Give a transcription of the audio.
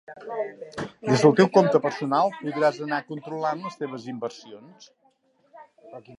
Des del teu compte personal podràs anar controlant les teves inversions.